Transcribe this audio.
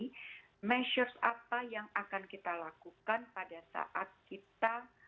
measures apa yang akan kita lakukan pada saat kita